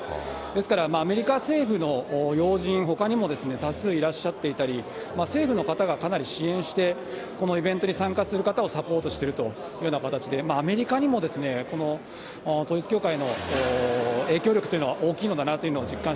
ですから、アメリカ政府の要人、ほかにも多数いらっしゃっていたり、政府の方がかなり支援して、このイベントに参加する方をサポートしているというような形で、アメリカにもこの統一教会の影響力というのは大きいのだなという